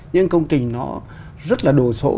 nhưng công trình nó rất là đồ sộ